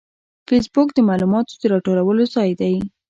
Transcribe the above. فېسبوک د معلوماتو د راټولولو ځای دی